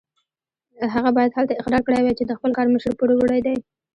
هغه باید هلته اقرار کړی وای چې د خپل کار مشر پوروړی دی.